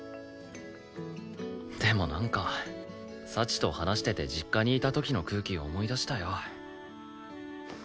でもなんか幸と話してて実家にいた時の空気思い出したよ。